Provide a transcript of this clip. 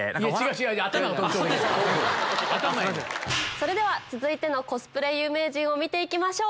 それでは続いてのコスプレ有名人見て行きましょう！